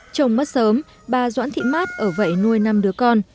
chồng mất sớm bà doãn thị mát ở vậy nuôi năm đứa con